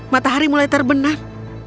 matahari mulai terbenam